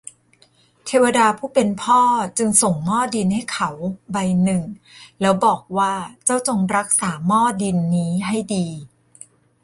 เทวดาผู้เป็นพ่อจึงส่งหม้อดินให้เขาใบหนึ่ง แล้วบอกว่า เจ้าจงรักษาหม้อดินนี้ให้ดี